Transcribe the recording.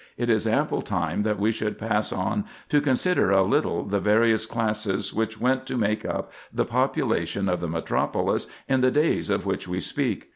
It is ample time that we should pass on to consider a little the various classes which went to make up the population of the metropolis in the days of which we speak.